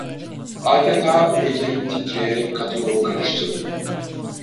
Adeta ellerim titreyerek katalogu karıştırdım.